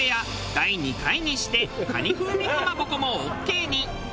第２回にして蟹風味かまぼこもオーケーに。